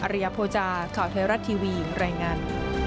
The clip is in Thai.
ริยโภจาข่าวไทยรัฐทีวีรายงาน